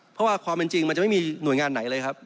เพราะว่าความเป็นจริงมันจะไม่มีหน่วยงานไหนเลยครับ